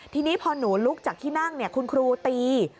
ทีนี้พอหนูลุกจากที่นั่งคุณครูตี